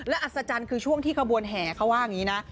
และอัศจรรย์คือช่วงที่ขบวนแห่เขาว่าอย่างนี้นะ